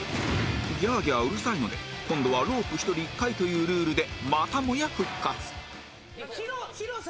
ギャアギャアうるさいので今度はロープ１人１回というルールでまたもや復活